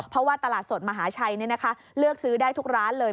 เพราะว่าตลาดสดมหาชัยเลือกซื้อได้ทุกร้านเลย